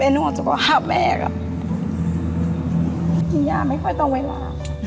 แม่น่วงจะกล้าบแม่กับพี่ย่าไม่ค่อยต้องไว้รอ